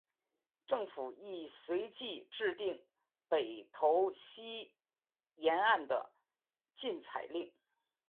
政府亦随即制定北投溪沿岸的禁采令。